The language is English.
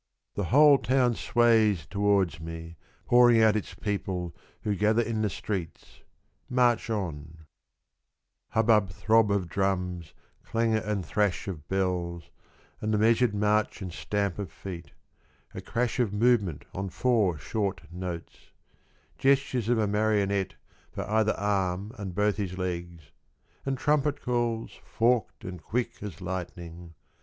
The whole town sways towards me Pouring out its people, Who gather in the streets, march on :— Hubbub throb of drums, Clangour and thrash of bells, And the measured march And stamp of feet ;— A crash of movement On four short notes : Gestures of a marionette For either arm and both his legs — And trumpet calls Forked and quick as lightning.